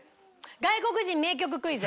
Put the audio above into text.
外国人名曲クイズ！